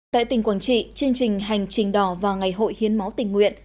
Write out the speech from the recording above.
tại tỉnh quảng trị chương trình hành trình đỏ vào ngày hội hiến máu tình nguyện